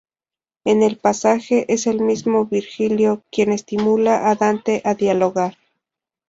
En el pasaje es el mismo Virgilio quien estimula a Dante a dialogar.